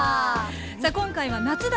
さあ今回は「夏だ！